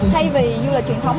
thay vì du lịch truyền thống